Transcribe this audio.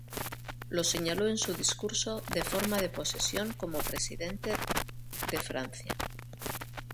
Lo señaló en su discurso de toma de posesión como presidente de Francia.